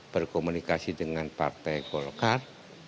berkomunikasi dengan partai golkar